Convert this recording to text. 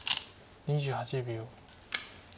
２８秒。